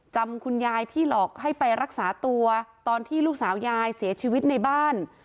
คุณยายที่หลอกให้ไปรักษาตัวตอนที่ลูกสาวยายเสียชีวิตในบ้าน